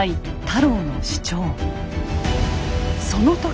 太郎の主張。